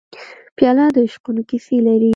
پیاله د عشقونو کیسې لري.